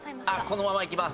このままいきます。